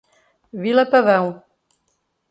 Vila Pavão